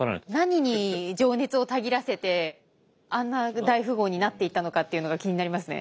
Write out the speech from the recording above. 何に情熱をたぎらせてあんな大富豪になっていったのかっていうのが気になりますね。